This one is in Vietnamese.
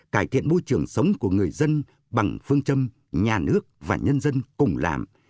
cải thiện môi trường sống của người dân bằng phương châm nhà nước và nhân dân cùng làm